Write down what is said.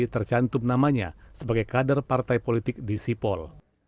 tercantum namanya sebagai kader partai politik di sipol